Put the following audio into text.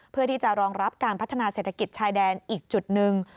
เพื่อที่จะรองรับการพัฒนาเศรษฐกิจชายแดนอีกจุดหนึ่ง